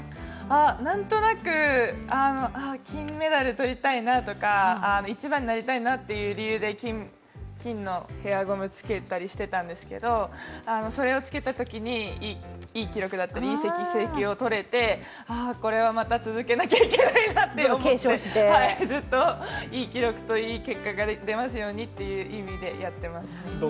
なんとなく、金メダル取りたいなとか、一番になりたいなという理由で金のヘアゴムつけたりしていたんですけどそれをつけたときにいい記録だったり、いい成績を取れてこれはまた続けなきゃいけないなと思ってずっといい記録と、いい結果が出ますようにという意味でやってます。